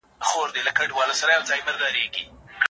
اټکل کول د ساینس پوهانو لخوا ستونزمن بلل کيږي.